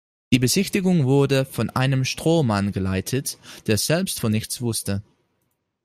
Die Besichtigung wurde von einem Strohmann geleitet, der selbst von nichts wusste.